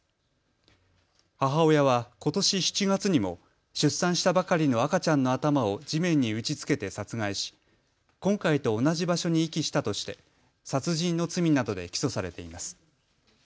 母親はことし７月にも出産したばかりの赤ちゃんの頭を地面に打ちつけて殺害し今回と同じ場所に遺棄したとして殺人の罪などで起訴されています。